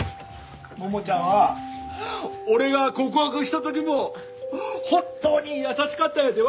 桃ちゃんは俺が告白した時も本当に優しかったんやて！